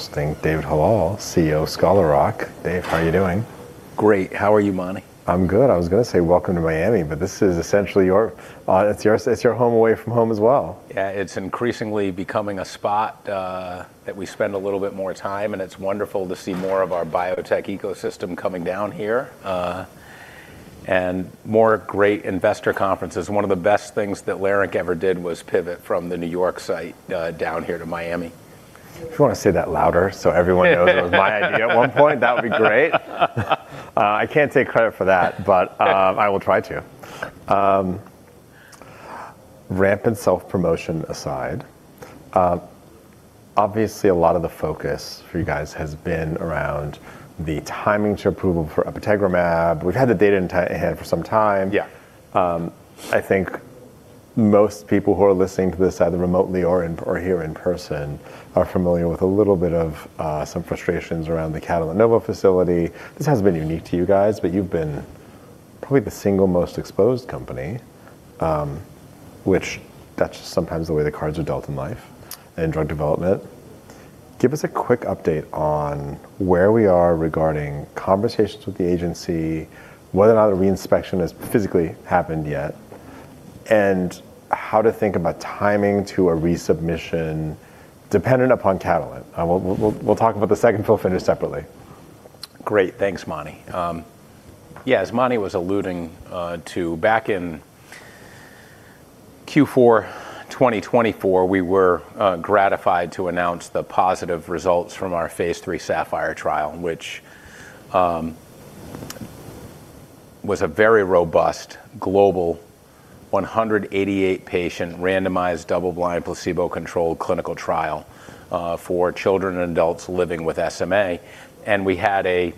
Hosting David Hallal, CEO, Scholar Rock. Dave, how are you doing? Great. How are you, Mani? I'm good. I was gonna say welcome to Miami, but this is essentially your home away from home as well. Yeah. It's increasingly becoming a spot that we spend a little bit more time, and it's wonderful to see more of our biotech ecosystem coming down here. More great investor conferences. One of the best things that Leerink ever did was pivot from the New York site down here to Miami. If you wanna say that louder so everyone knows it was my idea at one point, that would be great. I can't take credit for that, but I will try to. Rampant self-promotion aside, obviously a lot of the focus for you guys has been around the timing to approval for apitegromab. We've had the data in hand for some time. Yeah. I think most people who are listening to this, either remotely or here in person, are familiar with a little bit of some frustrations around the Catalent Novo facility. This hasn't been unique to you guys, but you've been probably the single most exposed company, which that's just sometimes the way the cards are dealt in life and drug development. Give us a quick update on where we are regarding conversations with the agency, whether or not a re-inspection has physically happened yet, and how to think about timing to a resubmission dependent upon Catalent. We'll talk about the second fill finish separately. Great. Thanks, Mani. Yeah, as Mani was alluding to, back in Q4 2024, we were gratified to announce the positive results from our phase III SAPPHIRE trial, which was a very robust global 188-patient randomized double-blind placebo-controlled clinical trial for children and adults living with SMA. We had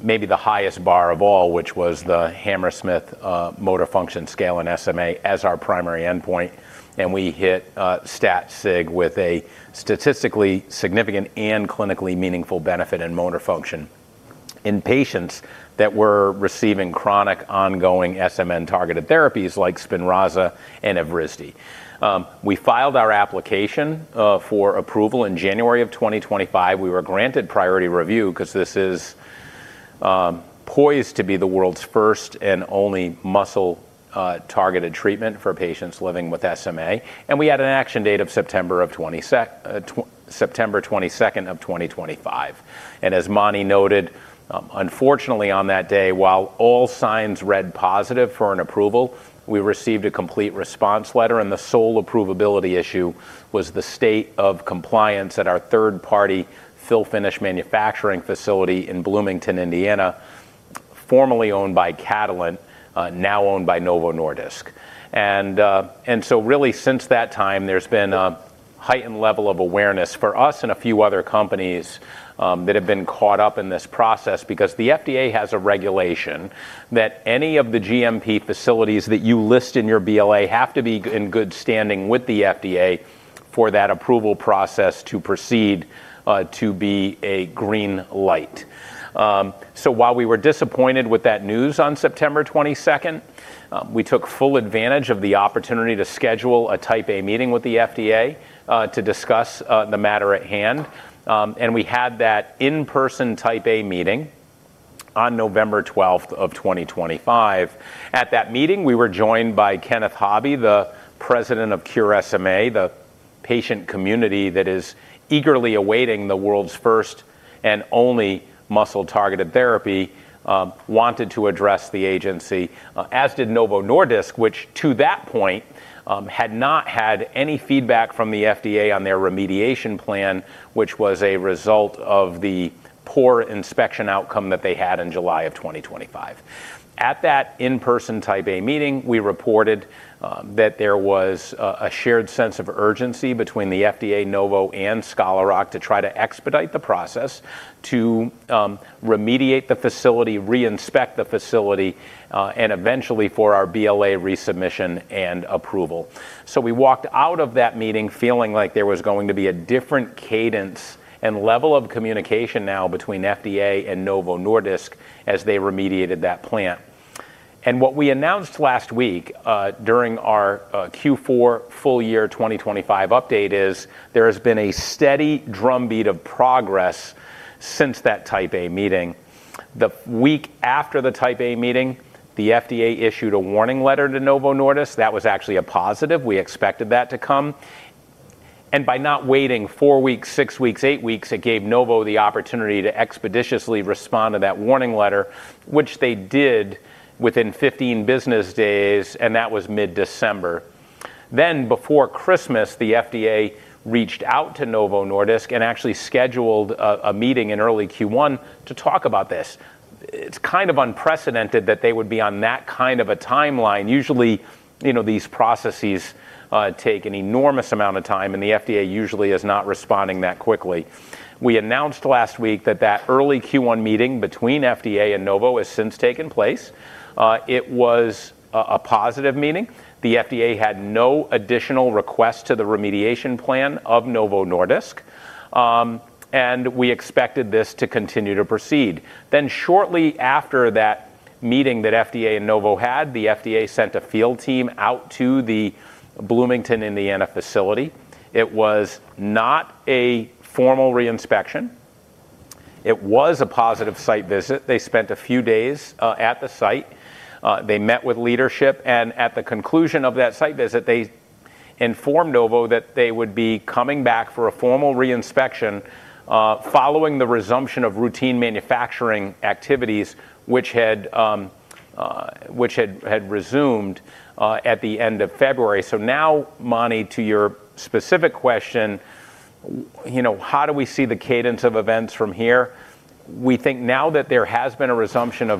maybe the highest bar of all, which was the Hammersmith Motor Function Scale in SMA as our primary endpoint. We hit stat sig with a statistically significant and clinically meaningful benefit in motor function in patients that were receiving chronic ongoing SMN-targeted therapies like Spinraza and Evrysdi. We filed our application for approval in January of 2025. We were granted priority review 'cause this is poised to be the world's first and only muscle targeted treatment for patients living with SMA, and we had an action date of September 22nd of 2025. As Mani noted, unfortunately on that day, while all signs read positive for an approval, we received a complete response letter, and the sole approvability issue was the state of compliance at our third-party fill finish manufacturing facility in Bloomington, Indiana, formerly owned by Catalent, now owned by Novo Nordisk. Really since that time, there's been a heightened level of awareness for us and a few other companies that have been caught up in this process because the FDA has a regulation that any of the GMP facilities that you list in your BLA have to be in good standing with the FDA for that approval process to proceed to be a green light. While we were disappointed with that news on September 22nd, we took full advantage of the opportunity to schedule a Type A meeting with the FDA to discuss the matter at hand. We had that in-person Type A meeting on November 12th of 2025. At that meeting, we were joined by Kenneth Hobby, the President of Cure SMA, the patient community that is eagerly awaiting the world's first and only muscle-targeted therapy, wanted to address the agency, as did Novo Nordisk, which to that point, had not had any feedback from the FDA on their remediation plan, which was a result of the poor inspection outcome that they had in July of 2025. At that in-person Type A meeting, we reported, that there was a shared sense of urgency between the FDA, Novo, and Scholar Rock to try to expedite the process to, remediate the facility, re-inspect the facility, and eventually for our BLA resubmission and approval. We walked out of that meeting feeling like there was going to be a different cadence and level of communication now between FDA and Novo Nordisk as they remediated that plant. What we announced last week during our Q4 full year 2025 update is there has been a steady drumbeat of progress since that Type A meeting. The week after the Type A meeting, the FDA issued a warning letter to Novo Nordisk. That was actually a positive. We expected that to come. By not waiting four weeks, six weeks, eight weeks, it gave Novo the opportunity to expeditiously respond to that warning letter, which they did within 15 business days, and that was mid-December. Before Christmas, the FDA reached out to Novo Nordisk and actually scheduled a meeting in early Q1 to talk about this. It's kind of unprecedented that they would be on that kind of a timeline. Usually, you know, these processes take an enormous amount of time, and the FDA usually is not responding that quickly. We announced last week that early Q1 meeting between FDA and Novo Nordisk has since taken place. It was a positive meeting. The FDA had no additional requests to the remediation plan of Novo Nordisk. We expected this to continue to proceed. Shortly after that meeting that FDA and Novo Nordisk had, the FDA sent a field team out to the Bloomington, Indiana facility. It was not a formal re-inspection. It was a positive site visit. They spent a few days at the site. They met with leadership, and at the conclusion of that site visit, they informed Novo that they would be coming back for a formal re-inspection, following the resumption of routine manufacturing activities which had resumed at the end of February. Now, Mani, to your specific question, you know, how do we see the cadence of events from here? We think now that there has been a resumption.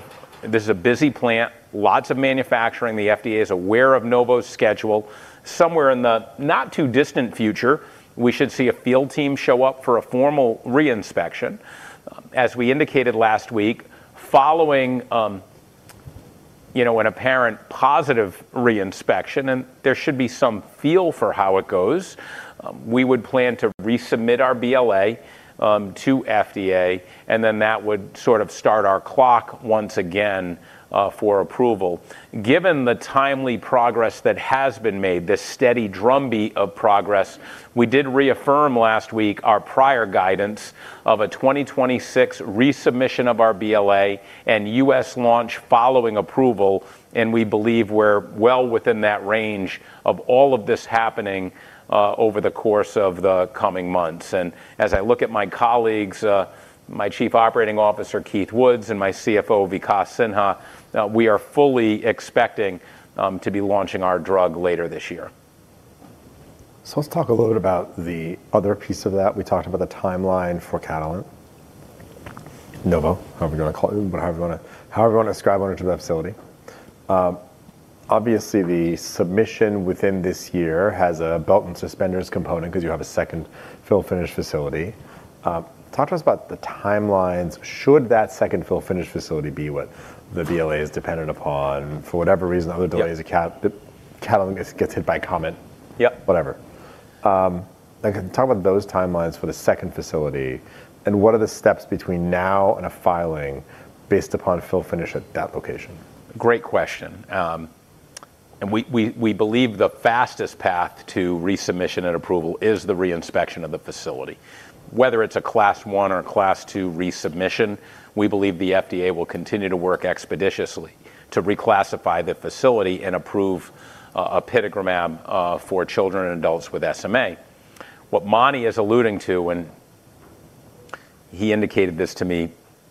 This is a busy plant, lots of manufacturing. The FDA is aware of Novo's schedule. Somewhere in the not-too-distant future, we should see a field team show up for a formal re-inspection. As we indicated last week, following you know an apparent positive re-inspection, and there should be some feel for how it goes, we would plan to resubmit our BLA to FDA, and then that would sort of start our clock once again for approval. Given the timely progress that has been made, this steady drumbeat of progress, we did reaffirm last week our prior guidance of a 2026 resubmission of our BLA and U.S. launch following approval, and we believe we're well within that range of all of this happening over the course of the coming months. As I look at my colleagues, my Chief Operating Officer, Keith Woods, and my CFO, Vikas Sinha, we are fully expecting to be launching our drug later this year. Let's talk a little bit about the other piece of that. We talked about the timeline for Catalent, Novo, however you wanna call it, but however you wanna ascribe ownership of that facility. Obviously, the submission within this year has a belt and suspenders component 'cause you have a second fill finish facility. Talk to us about the timelines should that second fill finish facility be what the BLA is dependent upon for whatever reason, other delays. Yep... the Catalent gets hit by a comet. Yep. Whatever. Like talk about those timelines for the second facility, and what are the steps between now and a filing based upon fill finish at that location? Great question. We believe the fastest path to resubmission and approval is the re-inspection of the facility. Whether it's a Class One or a Class Two resubmission, we believe the FDA will continue to work expeditiously to reclassify the facility and approve apitegromab for children and adults with SMA. What Mani is alluding to when he indicated this to me,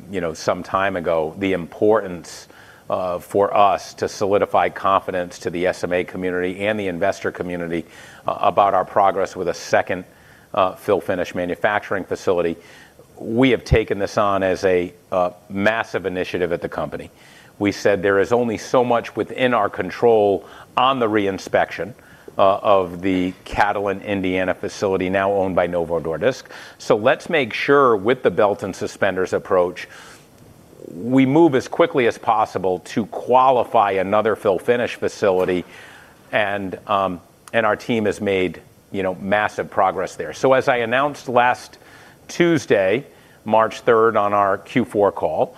you know, some time ago, the importance for us to solidify confidence to the SMA community and the investor community about our progress with a second fill finish manufacturing facility, we have taken this on as a massive initiative at the company. We said there is only so much within our control on the re-inspection of the Catalent Indiana facility now owned by Novo Nordisk. Let's make sure with the belt and suspenders approach, we move as quickly as possible to qualify another fill-finish facility and our team has made, you know, massive progress there. As I announced last Tuesday, March 3rd on our Q4 call,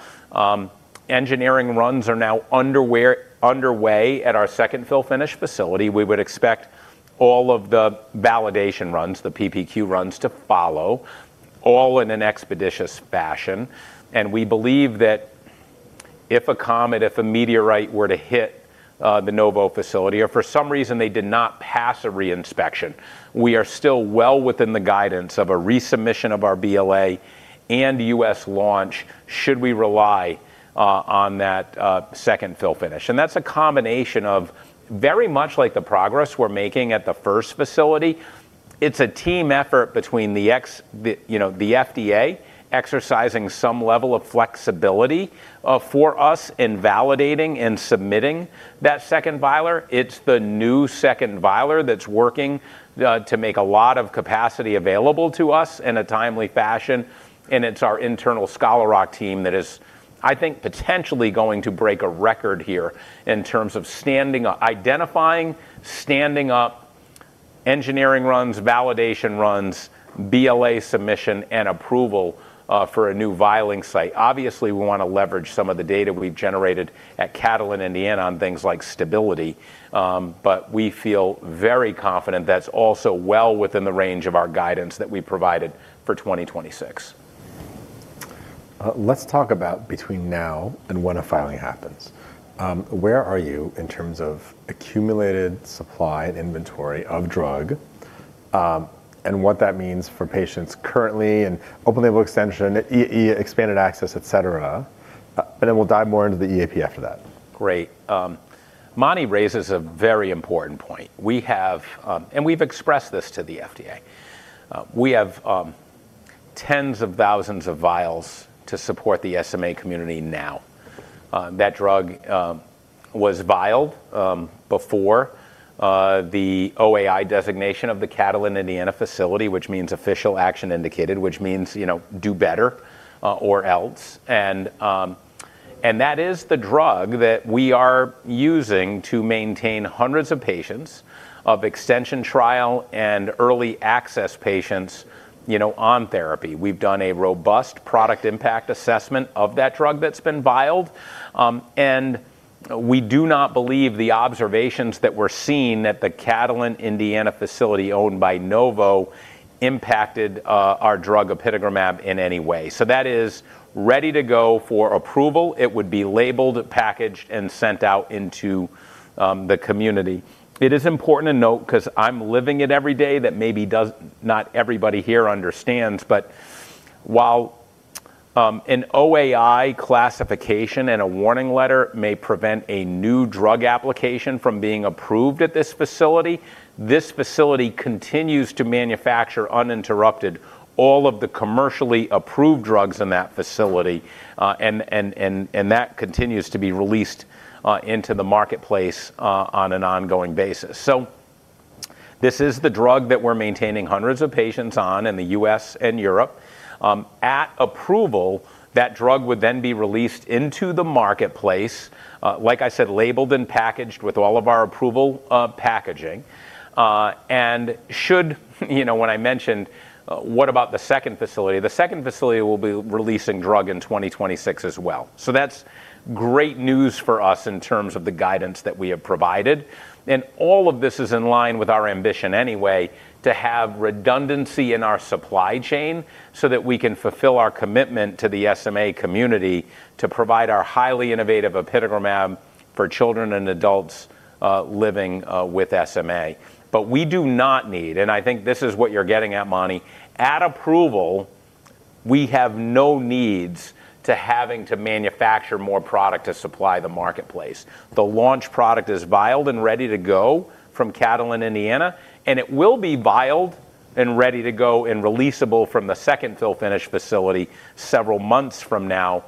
engineering runs are now underway at our second fill-finish facility. We would expect all of the validation runs, the PPQ runs to follow all in an expeditious fashion. We believe that if a meteorite were to hit the Novo facility or for some reason they did not pass a re-inspection, we are still well within the guidance of a resubmission of our BLA and U.S. launch should we rely on that second fill-finish. That's a combination of very much like the progress we're making at the first facility. It's a team effort between the, you know, the FDA exercising some level of flexibility for us in validating and submitting that second filler. It's the new second filler that's working to make a lot of capacity available to us in a timely fashion, and it's our internal Scholar Rock team that is, I think, potentially going to break a record here in terms of standing up, identifying, standing up engineering runs, validation runs, BLA submission, and approval for a new filling site. Obviously, we wanna leverage some of the data we've generated at Catalent Indiana on things like stability, but we feel very confident that's also well within the range of our guidance that we provided for 2026. Let's talk about between now and when a filing happens. Where are you in terms of accumulated supply and inventory of drug, and what that means for patients currently and open label extension, expanded access, et cetera? Then we'll dive more into the EAP after that. Great. Mani raises a very important point. We have, and we've expressed this to the FDA. We have tens of thousands of vials to support the SMA community now. That drug was vialed before the OAI designation of the Catalent Indiana facility, which means official action indicated, which means, you know, do better or else. That is the drug that we are using to maintain hundreds of patients of extension trial and early access patients, you know, on therapy. We've done a robust product impact assessment of that drug that's been vialed. We do not believe the observations that we're seeing that the Catalent Indiana facility owned by Novo impacted our drug apitegromab in any way. That is ready to go for approval. It would be labeled, packaged, and sent out into the community. It is important to note, because I'm living it every day, that not everybody here understands. While an OAI classification and a warning letter may prevent a new drug application from being approved at this facility, this facility continues to manufacture, uninterrupted, all of the commercially approved drugs in that facility, and that continues to be released into the marketplace on an ongoing basis. This is the drug that we're maintaining hundreds of patients on in the U.S. and Europe. At approval, that drug would then be released into the marketplace, like I said, labeled and packaged with all of our approval packaging. Should, you know, when I mentioned, "What about the second facility?" The second facility will be releasing drug in 2026 as well. That's great news for us in terms of the guidance that we have provided. All of this is in line with our ambition anyway to have redundancy in our supply chain so that we can fulfill our commitment to the SMA community to provide our highly innovative apitegromab for children and adults living with SMA. We do not need, and I think this is what you're getting at, Mani. At approval, we have no needs to having to manufacture more product to supply the marketplace. The launch product is vialed and ready to go from Catalent, Indiana, and it will be vialed and ready to go and releasable from the second fill-finish facility several months from now,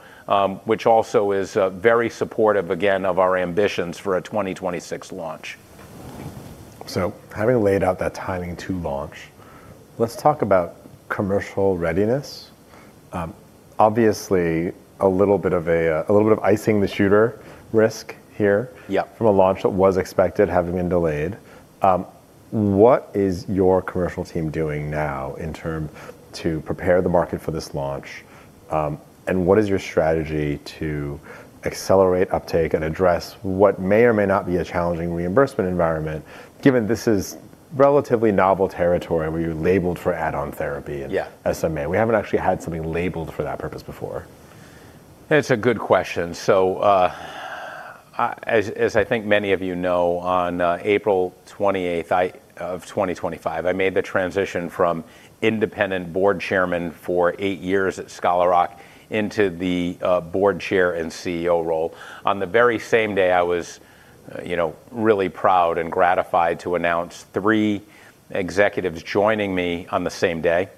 which also is very supportive, again, of our ambitions for a 2026 launch. Having laid out that timing to launch, let's talk about commercial readiness. Obviously a little bit of icing the shooter risk here. Yeah. -from a launch that was expected having been delayed. What is your commercial team doing now in terms of preparing the market for this launch, and what is your strategy to accelerate uptake and address what may or may not be a challenging reimbursement environment, given this is relatively novel territory where you're labeled for add-on therapy? Yeah. SMA? We haven't actually had something labeled for that purpose before. It's a good question. As I think many of you know, on April 28th of 2025, I made the transition from independent board chairman for eight years at Scholar Rock into the board chair and CEO role. On the very same day, I was, you know, really proud and gratified to announce three executives joining me on the same day,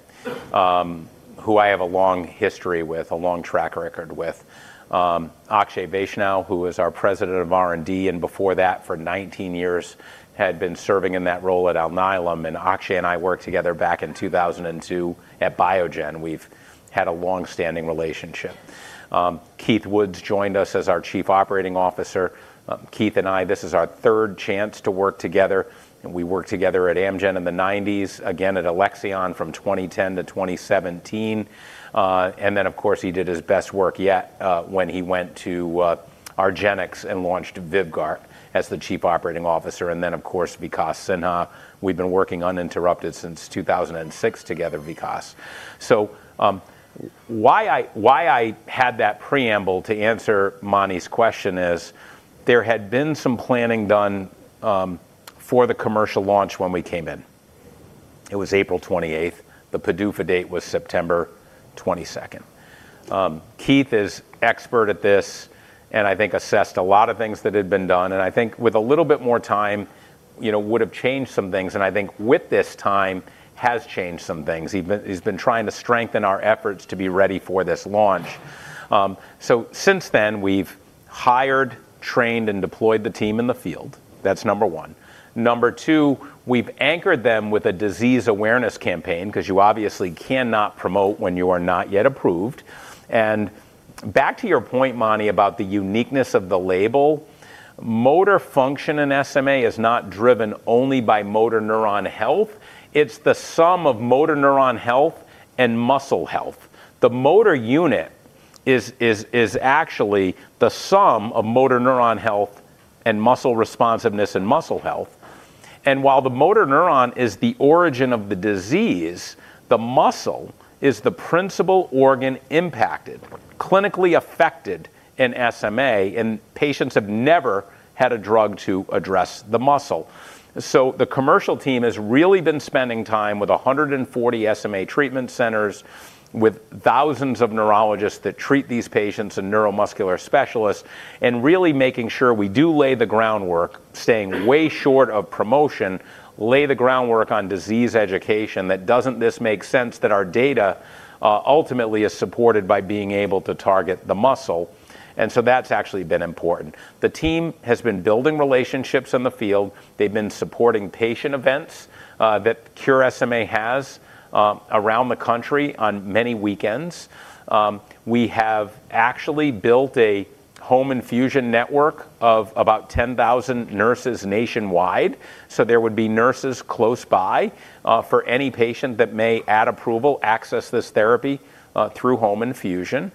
who I have a long history with, a long track record with. Akshay Vaishnaw, who is our President of R&D, and before that for 19 years had been serving in that role at Alnylam. Akshay and I worked together back in 2002 at Biogen. We've had a long-standing relationship. Keith Woods joined us as our Chief Operating Officer. Keith and I, this is our third chance to work together, and we worked together at Amgen in the 1990s, again at Alexion from 2010 to 2017. And then of course, he did his best work yet, when he went to argenx and launched VYVGART as the Chief Operating Officer. And then of course, Vikas Sinha, we've been working uninterrupted since 2006 together, Vikas. Why I had that preamble to answer Mani's question is there had been some planning done, for the commercial launch when we came in. It was April 28. The PDUFA date was September 22. Keith is expert at this and I think assessed a lot of things that had been done, and I think with a little bit more time, you know, would have changed some things, and I think with this time has changed some things. He's been trying to strengthen our efforts to be ready for this launch. So since then, we've hired, trained, and deployed the team in the field. That's number one. Number two, we've anchored them with a disease awareness campaign because you obviously cannot promote when you are not yet approved. Back to your point, Mani, about the uniqueness of the label, motor function in SMA is not driven only by motor neuron health. It's the sum of motor neuron health and muscle health. The motor unit is actually the sum of motor neuron health and muscle responsiveness and muscle health. While the motor neuron is the origin of the disease, the muscle is the principal organ impacted, clinically affected in SMA, and patients have never had a drug to address the muscle. The commercial team has really been spending time with 140 SMA treatment centers, with thousands of neurologists that treat these patients and neuromuscular specialists, and really making sure we do lay the groundwork, staying way short of promotion, lay the groundwork on disease education that does this make sense that our data ultimately is supported by being able to target the muscle. That's actually been important. The team has been building relationships in the field. They've been supporting patient events that Cure SMA has around the country on many weekends. We have actually built a home infusion network of about 10,000 nurses nationwide, so there would be nurses close by for any patient that may at approval access this therapy through home infusion.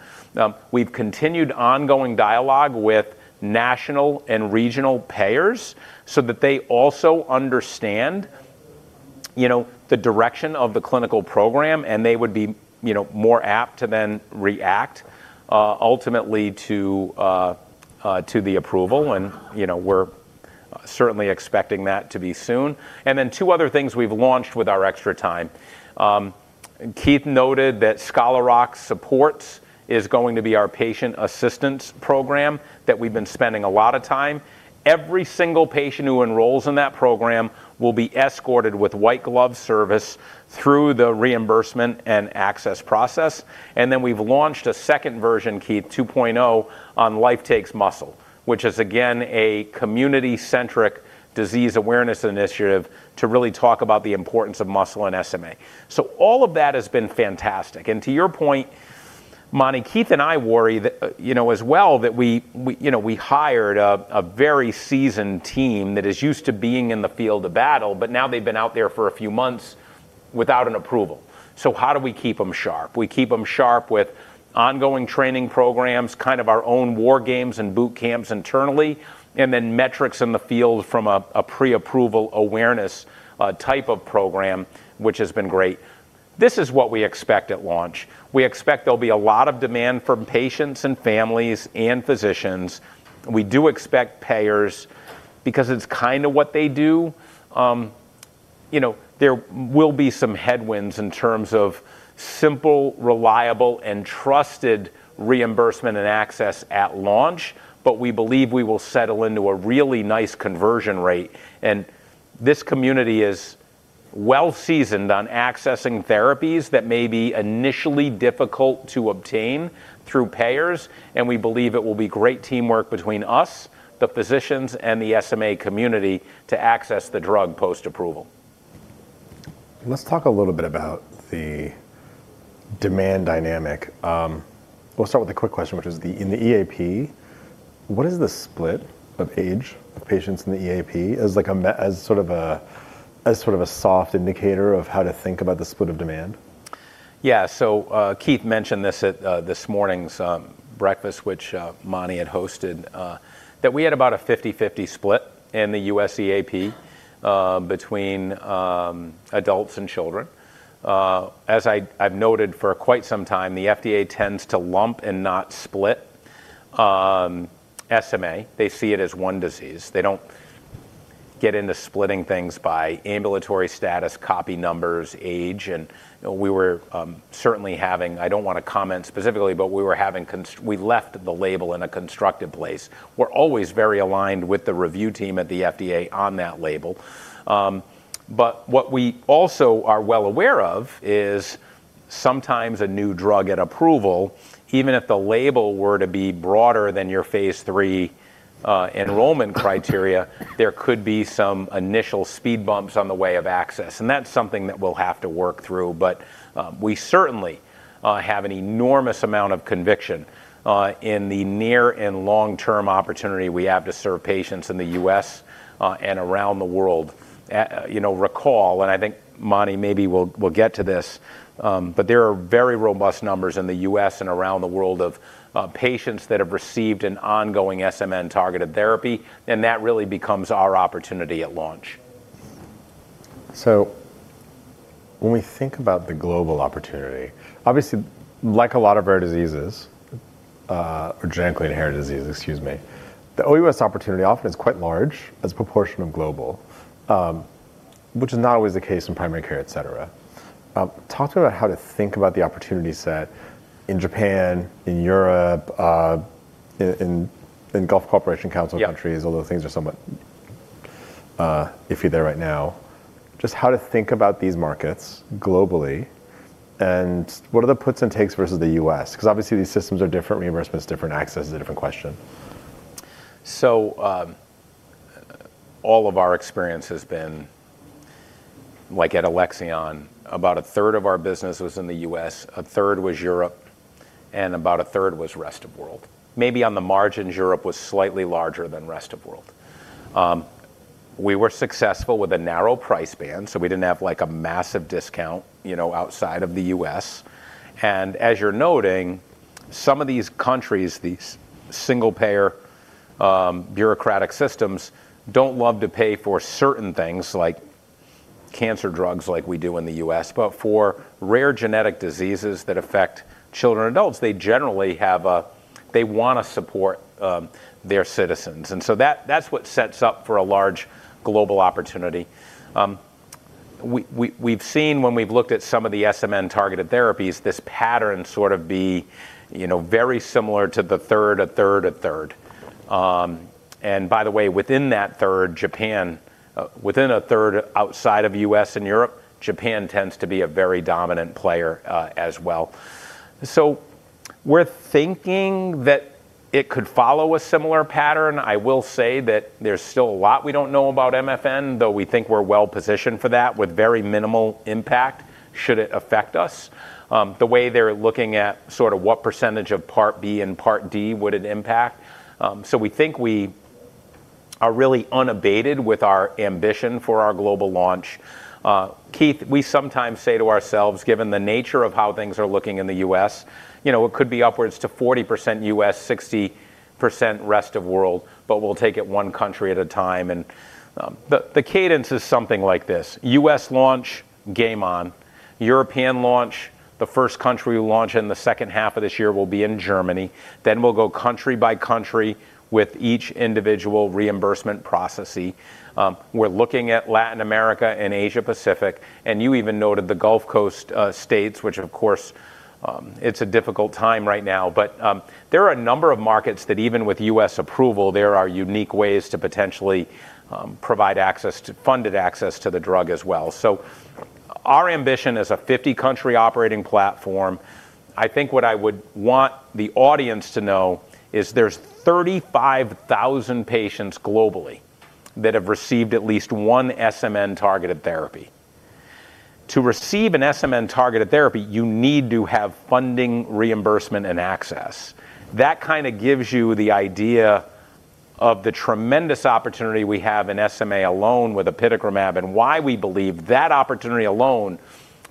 We've continued ongoing dialogue with national and regional payers so that they also understand. You know, the direction of the clinical program, and they would be, you know, more apt to then react ultimately to the approval. You know, we're certainly expecting that to be soon. Then two other things we've launched with our extra time. Keith noted that Scholar Rock Supports is going to be our patient assistance program that we've been spending a lot of time. Every single patient who enrolls in that program will be escorted with white glove service through the reimbursement and access process. Then we've launched a second version, Keith, 2.0, on Life Takes Muscle, which is again a community-centric disease awareness initiative to really talk about the importance of muscle and SMA. All of that has been fantastic. To your point, Mani, Keith and I worry that, you know, as well that we, you know, we hired a very seasoned team that is used to being in the field of battle, but now they've been out there for a few months without an approval. How do we keep them sharp? We keep them sharp with ongoing training programs, kind of our own war games and boot camps internally, and then metrics in the field from a pre-approval awareness type of program, which has been great. This is what we expect at launch. We expect there'll be a lot of demand from patients and families and physicians. We do expect payers because it's kind of what they do. You know, there will be some headwinds in terms of simple, reliable, and trusted reimbursement and access at launch. We believe we will settle into a really nice conversion rate. This community is well seasoned on accessing therapies that may be initially difficult to obtain through payers, and we believe it will be great teamwork between us, the physicians, and the SMA community to access the drug post-approval. Let's talk a little bit about the demand dynamic. We'll start with a quick question, which is, in the EAP, what is the split of age of patients in the EAP as sort of a soft indicator of how to think about the split of demand? Yeah. Keith mentioned this at this morning's breakfast, which Mani had hosted, that we had about a 50/50 split in the U.S. EAP between adults and children. As I've noted for quite some time, the FDA tends to lump and not split SMA. They see it as one disease. They don't get into splitting things by ambulatory status, copy numbers, age. I don't wanna comment specifically, but we left the label in a constructive place. We're always very aligned with the review team at the FDA on that label. What we also are well aware of is sometimes a new drug at approval, even if the label were to be broader than your phase III enrollment criteria, there could be some initial speed bumps on the way of access, and that's something that we'll have to work through. We certainly have an enormous amount of conviction in the near and long-term opportunity we have to serve patients in the U.S. and around the world. You know, recall, and I think Mani maybe will get to this, but there are very robust numbers in the U.S. and around the world of patients that have received an ongoing SMN targeted therapy, and that really becomes our opportunity at launch. When we think about the global opportunity, obviously, like a lot of rare diseases, or genetically inherited diseases, excuse me, the U.S. opportunity often is quite large as a proportion of global, which is not always the case in primary care, et cetera. Talk to me about how to think about the opportunity set in Japan, in Europe, in Gulf Cooperation Council countries. Yeah. Although things are somewhat iffy there right now. Just how to think about these markets globally and what are the puts and takes versus the U.S., 'cause obviously these systems are different, reimbursements different, access is a different question? All of our experience has been like at Alexion, about a third of our business was in the U.S., a third was Europe, and about a third was rest of world. Maybe on the margins, Europe was slightly larger than rest of world. We were successful with a narrow price band, so we didn't have like a massive discount, you know, outside of the U.S. As you're noting, some of these countries, these single payer, bureaucratic systems don't love to pay for certain things like cancer drugs like we do in the U.S. For rare genetic diseases that affect children and adults, they generally have a they wanna support their citizens, and so that's what sets up for a large global opportunity. We've seen when we've looked at some of the SMN targeted therapies, this pattern sort of, you know, very similar to a third. By the way, within that third, Japan within a third outside of U.S. and Europe, Japan tends to be a very dominant player, as well. We're thinking that it could follow a similar pattern. I will say that there's still a lot we don't know about MFN, though we think we're well-positioned for that with very minimal impact should it affect us, the way they're looking at sort of what percentage of Part B and Part D would it impact. We think we're really unabated with our ambition for our global launch. Keith, we sometimes say to ourselves, given the nature of how things are looking in the U.S., you know, it could be upwards to 40% U.S., 60% rest of world, but we'll take it one country at a time. The cadence is something like this. U.S. launch, game on. European launch, the first country we launch in the second half of this year will be in Germany. Then we'll go country by country with each individual reimbursement process. We're looking at Latin America and Asia-Pacific, and you even noted the Gulf Cooperation Council states, which of course, it's a difficult time right now. There are a number of markets that even with U.S. approval, there are unique ways to potentially provide access to funded access to the drug as well. Our ambition is a 50-country operating platform. I think what I would want the audience to know is there's 35,000 patients globally that have received at least one SMN targeted therapy. To receive an SMN targeted therapy, you need to have funding, reimbursement, and access. That kinda gives you the idea of the tremendous opportunity we have in SMA alone with Apitegromab, and why we believe that opportunity alone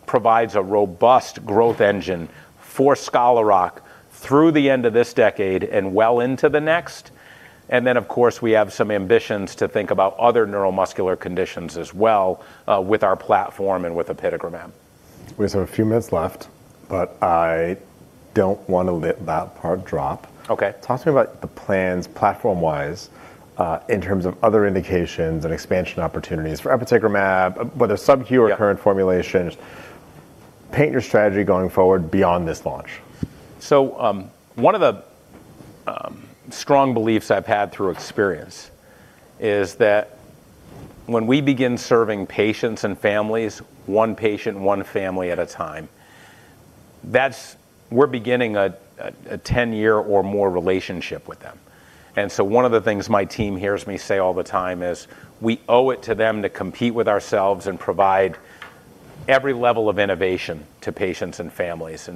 provides a robust growth engine for Scholar Rock through the end of this decade and well into the next. Then, of course, we have some ambitions to think about other neuromuscular conditions as well, with our platform and with Apitegromab. We just have a few minutes left, but I don't wanna let that part drop. Okay. Talk to me about the plans platform-wise in terms of other indications and expansion opportunities for apitegromab. Yeah or current formulations. Paint your strategy going forward beyond this launch. One of the strong beliefs I've had through experience is that when we begin serving patients and families, one patient, one family at a time, that's we're beginning a ten-year or more relationship with them. One of the things my team hears me say all the time is, we owe it to them to compete with ourselves and provide every level of innovation to patients and families.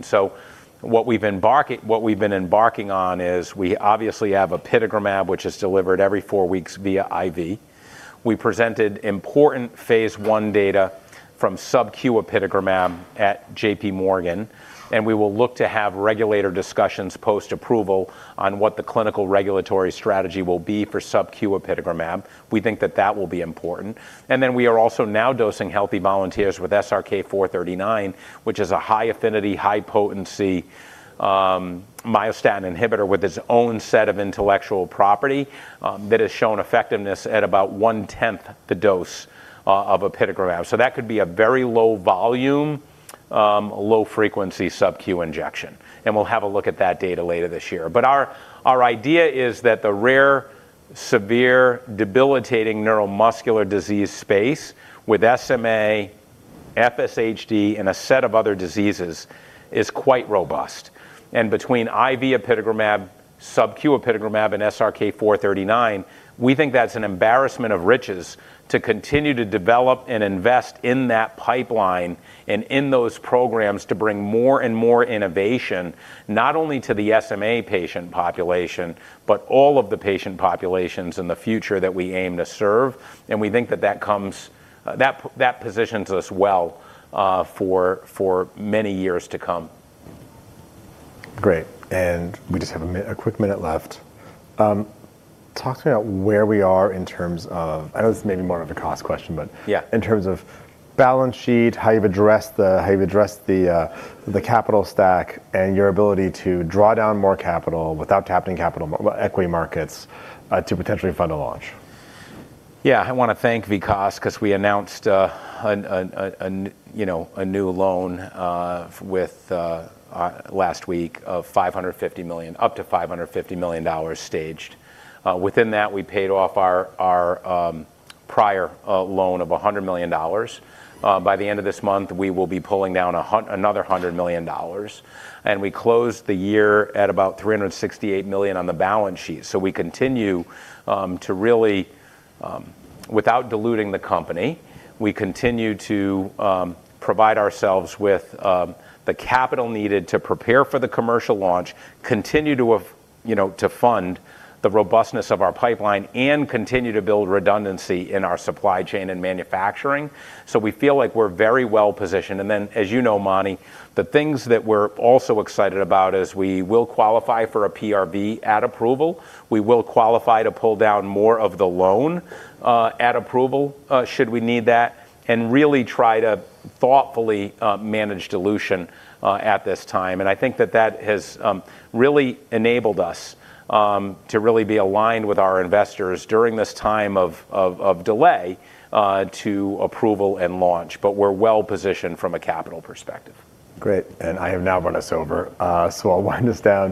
What we've been embarking on is we obviously have Apitegromab, which is delivered every four weeks via IV. We presented important phase I data from subcu apitegromab at JP Morgan, and we will look to have regulatory discussions post-approval on what the clinical regulatory strategy will be for subcu apitegromab. We think that will be important. We are also now dosing healthy volunteers with SRK-439, which is a high-affinity, high-potency, myostatin inhibitor with its own set of intellectual property, that has shown effectiveness at about one-tenth the dose of apitegromab. That could be a very low volume, low frequency subcu injection, and we'll have a look at that data later this year. Our idea is that the rare, severe, debilitating neuromuscular disease space with SMA, FSHD, and a set of other diseases is quite robust. Between IV apitegromab, subcu apitegromab, and SRK-439, we think that's an embarrassment of riches to continue to develop and invest in that pipeline and in those programs to bring more and more innovation, not only to the SMA patient population, but all of the patient populations in the future that we aim to serve. We think that positions us well for many years to come. Great. We just have a quick minute left. Talk to me about where we are in terms of, I know this is maybe more of a cost question, but. Yeah in terms of balance sheet, how you've addressed the capital stack and your ability to draw down more capital without tapping capital, well, equity markets to potentially fund a launch. Yeah. I wanna thank Vikas 'cause we announced you know a new loan last week of $550 million up to $550 million staged. Within that, we paid off our prior loan of $100 million. By the end of this month, we will be pulling down another $100 million. We closed the year at about $368 million on the balance sheet. We continue to really without diluting the company, we continue to provide ourselves with the capital needed to prepare for the commercial launch, continue to have you know to fund the robustness of our pipeline, and continue to build redundancy in our supply chain and manufacturing. We feel like we're very well-positioned. As you know, Mani, the things that we're also excited about is we will qualify for a PRV at approval. We will qualify to pull down more of the loan at approval should we need that, and really try to thoughtfully manage dilution at this time. I think that has really enabled us to really be aligned with our investors during this time of delay to approval and launch. We're well-positioned from a capital perspective. Great. I have now run us over, so I'll wind us down.